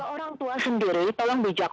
nah kalau orang tua sendiri tolong bijak